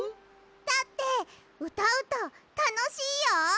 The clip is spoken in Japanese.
だってうたうとたのしいよ！